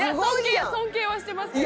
尊敬はしてますけど。